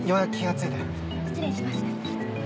失礼します。